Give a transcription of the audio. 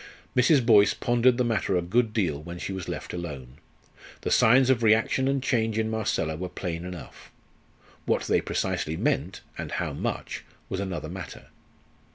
Mrs. Boyce pondered the matter a good deal when she was left alone. The signs of reaction and change in Marcella were plain enough. What they precisely meant, and how much, was another matter.